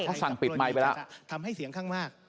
เขาสั่งปิดไมค์ไปแล้ว